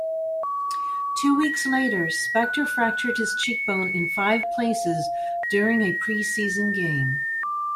Two weeks later, Spector fractured his cheekbone in five places during a pre-season game.